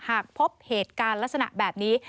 หากพบเหตุการณ์ลักษณะแบบนี้